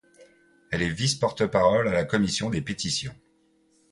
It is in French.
Elle est vice-porte-parole à la commission des Pétitions.